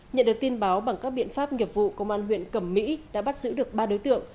nhận được tin báo bằng các biện pháp nghiệp vụ công an huyện cẩm mỹ đã bắt giữ được ba đối tượng